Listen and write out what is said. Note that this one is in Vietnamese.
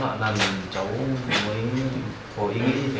do đó là lần cháu mới có ý nghĩa như thế